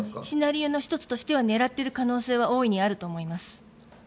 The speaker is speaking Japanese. シナリオの１つとしては狙っている可能性は大いにあると思います。